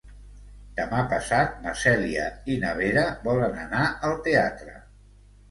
Demà passat na Cèlia i na Vera volen anar al teatre.